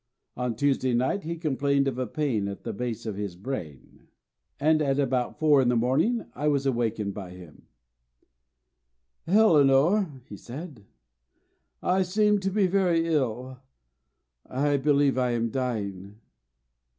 On Thursday night, he complained of a pain at the base of his brain, and at about four in the morning I was awakened by him: "Eleanor," he said, "I seem to be very ill; I believe I am dying."